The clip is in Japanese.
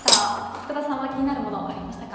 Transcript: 福田さんは気になるもの、ありましたか。